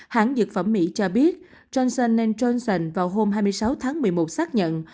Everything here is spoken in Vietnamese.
hãng dược phẩm mỹ cho biết johnson johnson vào hôm hai mươi sáu tháng một mươi một xác nhận